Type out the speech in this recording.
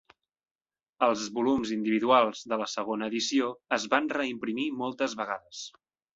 Els volums individuals de la segona edició es van reimprimir moltes vegades.